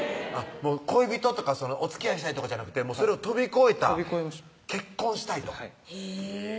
恋人とかおつきあいしたいとかじゃなくてそれを飛び越えた結婚したいとはいへぇ